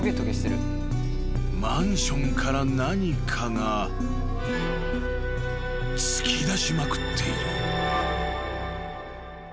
［マンションから何かが突き出しまくっている］